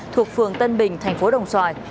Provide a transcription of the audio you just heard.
thuộc phường tân bình thành phố đồng xoài